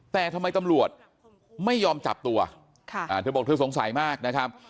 แต่ทำไมตำรวจไม่ยอมจับตัวเธอบอกเธอสงสัยมากนะครับ